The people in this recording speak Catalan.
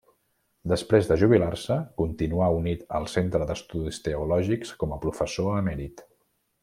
Després de jubilar-se, continuà unit al Centre d'Estudis Teològics com a professor emèrit.